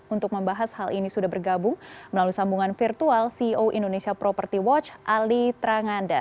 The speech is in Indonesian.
untuk membahas hal ini sudah bergabung melalui sambungan virtual ceo indonesia property watch ali tranganda